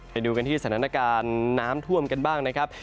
ไปดูกันที่สถานการณ์น้ำท่วมกันบ้างนะครับ